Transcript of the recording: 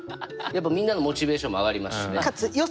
やっぱみんなのモチベーションも上がりますしね。